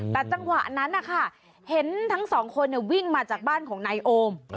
แต่จังหวะนั้นนะคะเห็นทั้งสองคนวิ่งมาจากบ้านของนายโอม